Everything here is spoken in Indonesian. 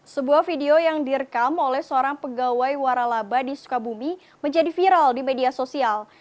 sebuah video yang direkam oleh seorang pegawai waralaba di sukabumi menjadi viral di media sosial